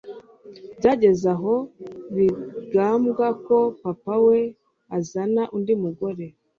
byageze aho bibangbwa ko papa we azana undi mugore